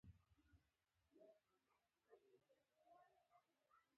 لنډۍ د پښتو شفاهي ادب برخه ده.